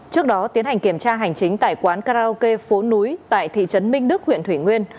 trước đó tiến hành kiểm tra hành chính tại quán karaoke phố núi tại thị trấn minh đức huyện thủy nguyên